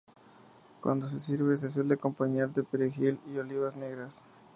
Cuando se sirve, se suele acompañar de perejil y olivas negras.